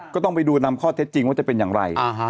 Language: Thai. ก็ต้องไปดูนำข้อเท็จจริงว่าจะเป็นอย่างไร